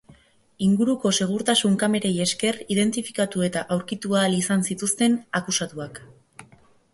Inguruko segurtasun-kamerei esker identifikatu eta aurkitu ahal izan zituzten akusatuak.